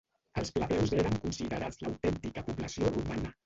Els plebeus eren considerats l'autèntica població romana.